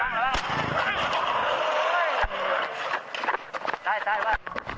พี่ท้าว่ะ